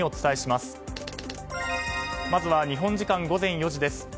まずは日本時間午前４時です。